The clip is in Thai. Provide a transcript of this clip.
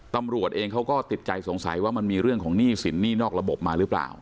ตำรวจเองเขาก็ติดใจสงสัยว่ามันมีเรื่องของหนี้สินหนี้นอกระบบมาหรือเปล่า